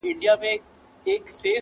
د دانو په اړولو کي سو ستړی٫